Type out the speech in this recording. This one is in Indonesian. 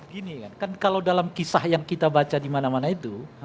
gini kan kalau dalam kisah yang kita baca di mana mana itu